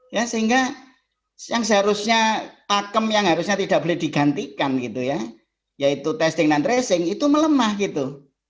ya sehingga yang seharusnya pakem yang harusnya tidak boleh digantikan gitu ya yaitu testing dan tracing itu melemah gitu